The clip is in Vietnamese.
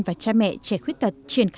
và cha mẹ trẻ khuyết tật